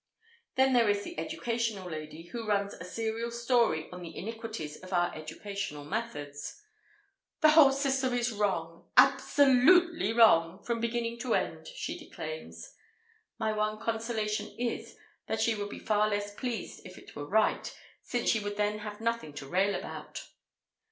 Then there is the educational lady, who runs a serial story on the iniquities of our educational methods. "The whole system is wrong, abso lute ly wrong, from beginning to end," she declaims. My one consolation is, that she would be far less pleased if it were right, since she would then have nothing to rail about.